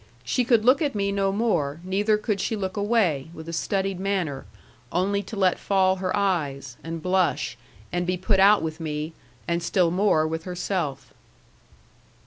She could look at me no more, neither could she look away, with a studied manner only to let fall her eyes, and blush, and be put out with me, and still more with herself.